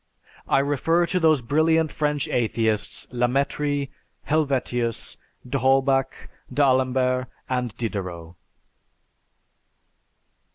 I refer to those brilliant French atheists La Mettrie, Helvetius, d'Holbach, d'Alembert, and Diderot.